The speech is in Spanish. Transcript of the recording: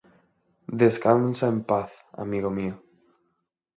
Descansa en paz, amigo mío".